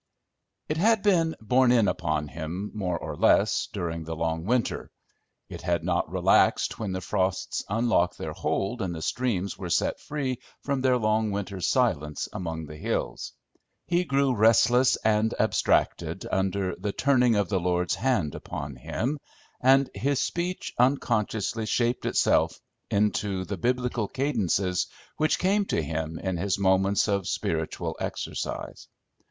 It had been "borne in" upon him, more or less, during the long winter; it had not relaxed when the frosts unlocked their hold and the streams were set free from their long winter's silence, among the hills. He grew restless and abstracted under "the turnings of the Lord's hand upon him," and his speech unconsciously shaped itself into the Biblical cadences which came to him in his moments of spiritual exercise.